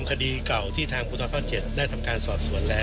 น้องปราบเนี่ยนำคดีเก่าที่ทางพุทธศาสตร์๗ได้ทำการสอบสวนแล้ว